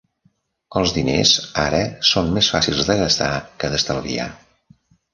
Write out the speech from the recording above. Els diners ara són més fàcils de gastar que d'estalviar.